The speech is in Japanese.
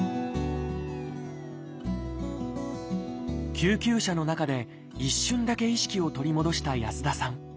救急車の中で一瞬だけ意識を取り戻した安田さん。